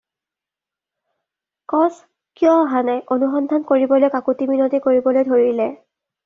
“কচ, কিয় অহা নাই” অনুসন্ধান কৰিবলৈ কাকূতি মিনতি কৰিবলৈ ধৰিলে।